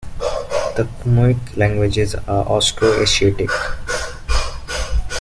The Khmuic languages are Austro-Asiatic.